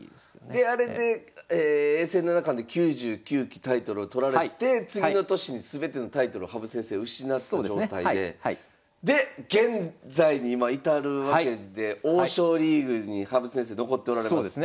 であれで永世七冠で９９期タイトルを取られて次の年に全てのタイトルを羽生先生失った状態でで現在に今至るわけで王将リーグに羽生先生残っておられます。